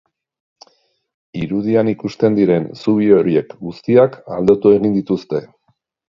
Irudian ikusten diren zubi horiek guztiak aldatu egin dituzte.